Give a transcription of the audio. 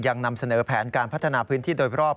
ยังนำเสนอแผนการพัฒนาพื้นที่โดยรอบ